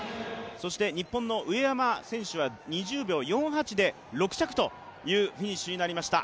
そして日本の上山選手は２０秒４８で６着というフィニッシュになりました。